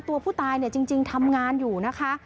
ตัวผู้ตายเนี่ยจริงทำงานอยู่นะคะ